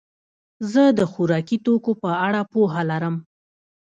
زه د خوراکي توکو په اړه پوهه لرم.